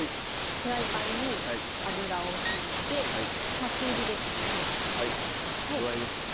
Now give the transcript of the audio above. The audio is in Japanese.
フライパンに油を引いて中火で熱していく感じですね具合ですね